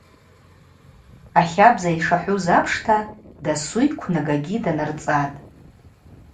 Ахабза йшахӏвуз апшта, дасу йквнагагьи данырцӏатӏ.